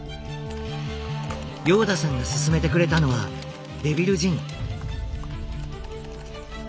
ヨーダさんが勧めてくれたのはデビル仁。